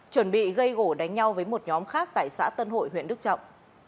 chuẩn bị gây gỗ đánh nhau với một nhóm khác tại xã tân hội huyện đức trọng